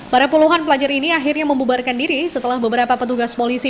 para puluhan pelajar ini akhirnya membubarkan diri setelah beberapa petugas polisi